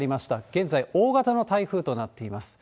現在、大型の台風となっています。